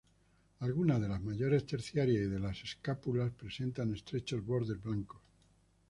Algunas de las mayores terciarias y de las escápulas presentan estrechos bordes blancos.